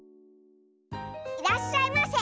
いらっしゃいませ。